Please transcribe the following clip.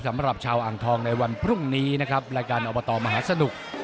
สำหรับชาวอ่างทองในวันพรุ่งนี้นะครับรายการอบตมหาสนุก